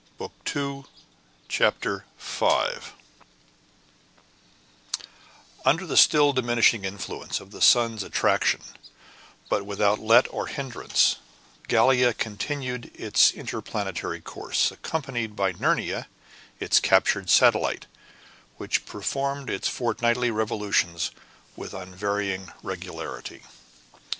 WANTED: A STEELYARD Under the still diminishing influence of the sun's attraction, but without let or hindrance, Gallia continued its interplanetary course, accompanied by Nerina, its captured satellite, which performed its fortnightly revolutions with unvarying regularity.